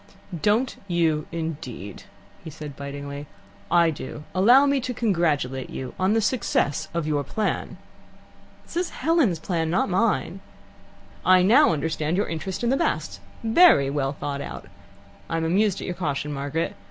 "Don't you indeed?" he said bitingly. "I do. Allow me to congratulate you on the success of your plan." "This is Helen's plan, not mine." "I now understand your interest in the Basts. Very well thought out. I am amused at your caution, Margaret.